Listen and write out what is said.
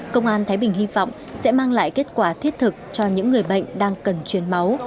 công an thái bình hy vọng sẽ mang lại kết quả thiết thực cho những người bệnh đang cần truyền máu